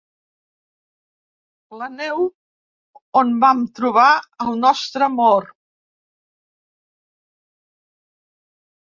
La neu on vam trobar el nostre amor.